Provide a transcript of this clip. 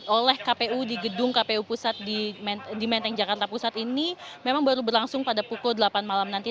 oleh kpu di gedung kpu pusat di menteng jakarta pusat ini memang baru berlangsung pada pukul delapan malam nanti